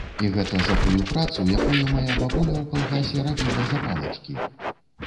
І гэта за тую працу, якую мая бабуля ў калгасе рабіла за палачкі.